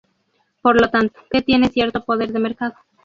Por lo tanto, que tiene cierto poder de mercado.